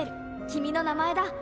君の名前だ。